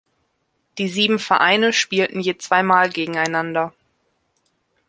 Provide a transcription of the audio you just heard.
Die sieben Vereine spielten je zweimal gegeneinander.